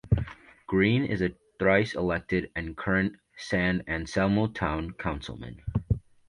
Greene is a thrice-elected and current San Anselmo town councilman.